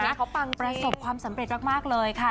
เขาปังประสบความสำเร็จมากเลยค่ะ